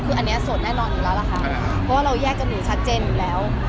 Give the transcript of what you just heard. คืออันนี้โสดแน่นอนอยู่แล้วล่ะค่ะเพราะว่าเราแยกกันอยู่ชัดเจนอยู่แล้ว